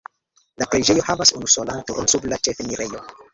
La preĝejo havas unusolan turon sub la ĉefenirejo.